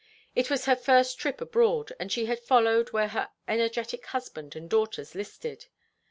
It was her first trip abroad, and she had followed where her energetic husband and daughters listed.